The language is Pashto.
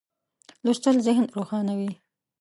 لوستل ذهن روښانوي.